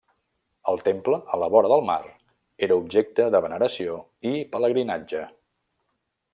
El temple, a la vora del mar, era objecte de veneració i pelegrinatge.